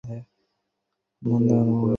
তোমরা যা কর আল্লাহ সে সম্বন্ধে অনবহিত নন।